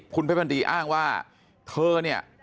คุณพัดพนตรีอ้่างว่าเธอนี่